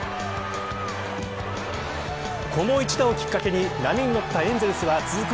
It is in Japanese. この一打をきっかけに波に乗ったエンゼルスは続く